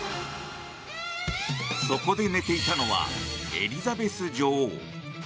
そこで寝ていたのはエリザベス女王。